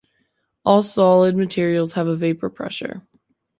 All solid materials have a vapor pressure.